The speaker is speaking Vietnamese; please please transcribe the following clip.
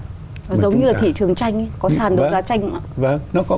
giống như là thị trường tranh có sàn đối giá tranh